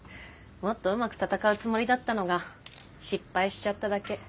もっとうまく戦うつもりだったのが失敗しちゃっただけ。